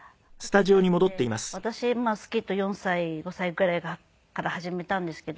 私スケート４歳５歳ぐらいから始めたんですけど。